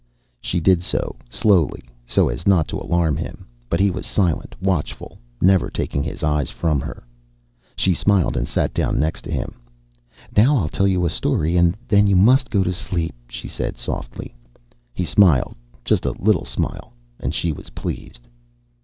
She did so, slowly, so as not to alarm him. But he was silent, watchful, never taking his eyes from her. She smiled and sat down next to him. "Now I'll tell you a story and then you must go to sleep," she said softly. He smiled just a little smile and she was pleased.